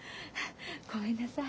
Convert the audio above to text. ごめんなさい。